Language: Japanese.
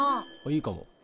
いいかも。